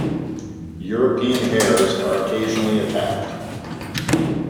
European hares are occasionally attacked.